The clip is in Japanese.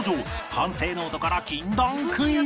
反省ノートから禁断クイズ